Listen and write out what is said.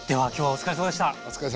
お疲れさまでした。